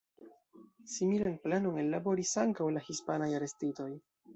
Similan planon ellaboris ankaŭ la hispanaj arestitoj.